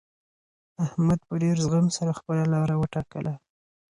احمد په ډېر زغم سره خپله لاره وټاکله.